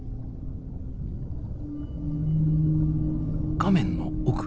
画面の奥。